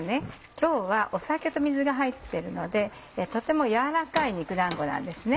今日は酒と水が入ってるのでとても軟らかい肉だんごなんですね。